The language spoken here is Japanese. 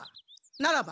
ならば。